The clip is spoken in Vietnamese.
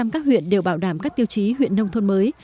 một trăm linh các huyện đều bảo đảm các tiêu chí huyện nông thôn mới